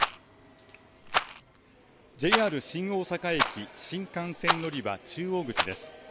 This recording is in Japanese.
ＪＲ新大阪駅、新幹線のりば中央口です。